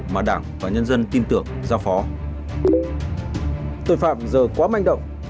mà đảng và nhân dân